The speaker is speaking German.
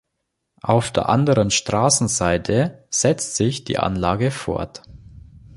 Auf der anderen Straßenseite setzt sich die Anlage fort.